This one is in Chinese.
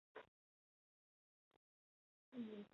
凤鸣古冢的历史年代为宋代。